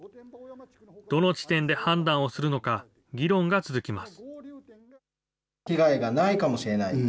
どの時点で判断をするのか、議論が続きます。